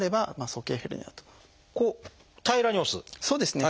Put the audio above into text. そうですね。